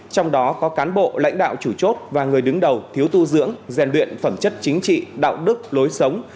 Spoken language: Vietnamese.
trong đó có cán bộ lãnh đạo chủ chốt và người đứng đầu thiếu tu dưỡng rèn luyện phẩm chất chính trị đạo đức lối sống